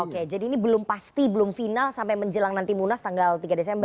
oke jadi ini belum pasti belum final sampai menjelang nanti munas tanggal tiga desember